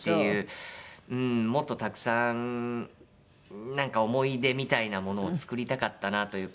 もっとたくさんなんか思い出みたいなものを作りたかったなというか。